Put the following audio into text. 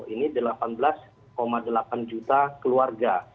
ini delapan belas delapan juta keluarga